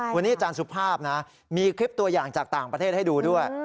วันนี้อาจารย์สุภาพนะมีคลิปตัวอย่างจากต่างประเทศให้ดูด้วย